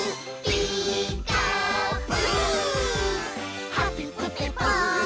「ピーカーブ！」